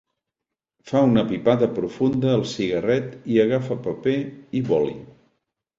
Fa una pipada profunda al cigarret i agafa paper i boli.